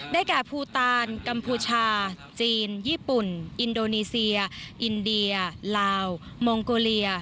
แก่ภูตานกัมพูชาจีนญี่ปุ่นอินโดนีเซียอินเดียลาวมองโกเลีย